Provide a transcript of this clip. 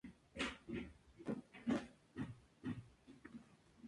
Estableció el territorio y sus límites de acuerdo a tratados internacionales.